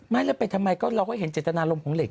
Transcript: ไม่รับไปทำไมก็เราก็เห็นจัดตนารมณ์ของเด็ก